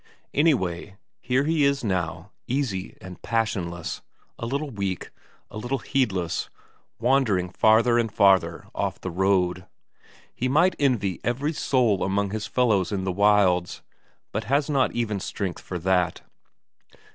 Anyway, here he is now, easy and passionless, a little weak, a little heedless, wandering farther and farther off the road. He might envy every soul among his fellows in the wilds, but has not even strength for that.